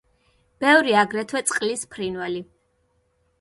ბევრია აგრეთვე წყლის ფრინველი.